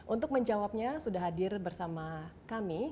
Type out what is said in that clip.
untuk menjawabnya sudah hadir bersama kami